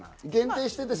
限定してね。